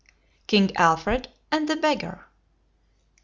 KING ALFRED AND THE BEGGAR.